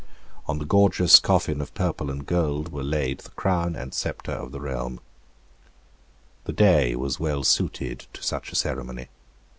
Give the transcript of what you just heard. On the gorgeous coffin of purple and gold were laid the crown and sceptre of the realm. The day was well suited to such a ceremony.